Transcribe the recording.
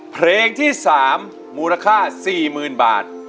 เพลงที่๓มูลค่า๔๐๐๐บาท